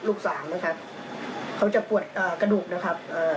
ลูกสาวนะครับเขาจะปวดอ่ากระดูกนะครับเอ่อ